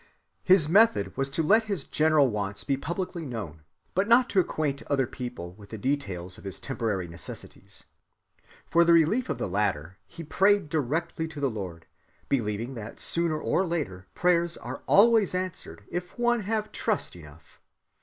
His method was to let his general wants be publicly known, but not to acquaint other people with the details of his temporary necessities. For the relief of the latter, he prayed directly to the Lord, believing that sooner or later prayers are always answered if one have trust enough.